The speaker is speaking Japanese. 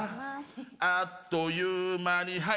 あっという間にはい！